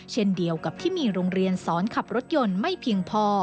เช่นเดียวกับที่มีโรงเรียนสอนขับรถยนต์ไม่เพียงพอ